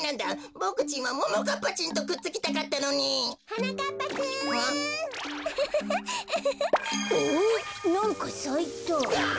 なんかさいた。